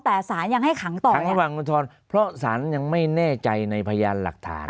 แต่สารยังให้ขังต่อขังระหว่างอุทธรณ์เพราะสารยังไม่แน่ใจในพยานหลักฐาน